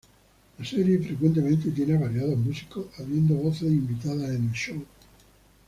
La serie frecuentemente tiene a variados músicos habiendo voces invitadas en el show.